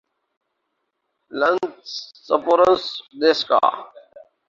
London sports ڈیسکا